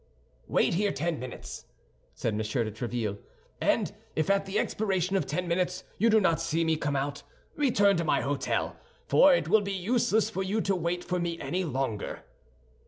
"Wait here ten minutes," said M. de Tréville; "and if at the expiration of ten minutes you do not see me come out, return to my hôtel, for it will be useless for you to wait for me longer."